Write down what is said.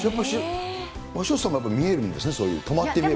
潮田さんもやっぱり見えるんですね、そういう、止まって見える？